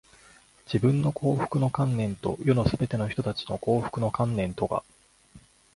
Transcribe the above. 自分の幸福の観念と、世のすべての人たちの幸福の観念とが、